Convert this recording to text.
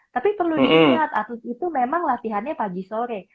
tapi perlu diingat atlet itu memang latihannya pagi sore